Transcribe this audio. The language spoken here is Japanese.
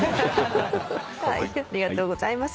ありがとうございます。